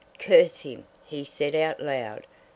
"Curse him!" he said out loud.